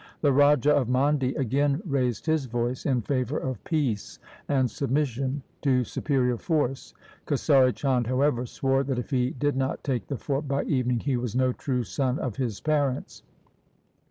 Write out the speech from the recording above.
The Raja of Mandi again raised his voice in favour of peace and sub mission to superior force. Kesari Chand, however, swore that if he did not take the fort by evening, he was no true son of his parents.